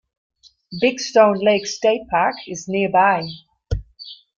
Big Stone Lake State Park is nearby.